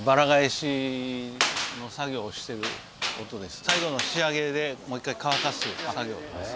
今最後の仕上げでもう一回乾かす作業です。